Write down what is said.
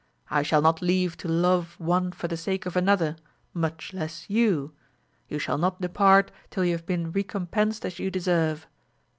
I shall not leave to love one for the sake of another, much less you ! you shall not depart till you have been recompensed as you deserve.